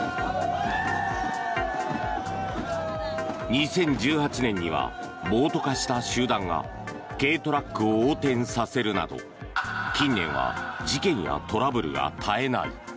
２０１８年には暴徒化した集団が軽トラックを横転させるなど近年は事件やトラブルが絶えない。